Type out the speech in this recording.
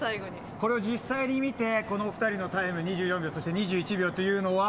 これを実際に見て、この２人のタイム、２４秒、そして２１秒というのは。